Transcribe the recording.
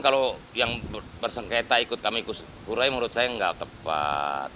kalau yang bersengketa ikut kami ikut kurei menurut saya gak tepat